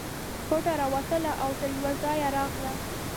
پټه راووتله او تر یوه ځایه راغله.